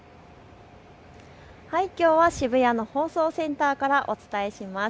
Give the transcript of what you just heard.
きょうは渋谷の放送センターからお伝えします。